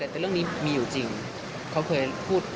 แต่เรื่องนี้มีอยู่จริงเขาเคยพูด